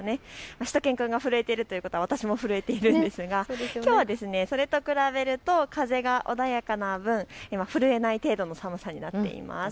しゅと犬くんが震えているということは私も震えているんですが、きょうはそれと比べると風が穏やかな分、震えない程度の寒さになっています。